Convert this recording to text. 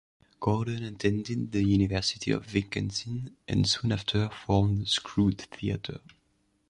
Gordon attended the University of Wisconsin and soon after formed Screw Theater.